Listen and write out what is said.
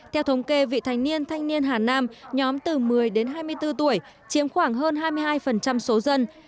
theo thống kê vị thanh niên thanh niên hà nam nhóm từ một mươi đến hai mươi bốn tuổi chiếm khoảng hơn hai mươi hai số dân